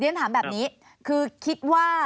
ฉันถามแบบนี้คือคิดว่า